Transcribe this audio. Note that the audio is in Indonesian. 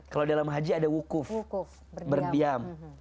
kalau dalam haji ada wukuf berdiam